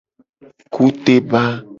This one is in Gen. Kuteba.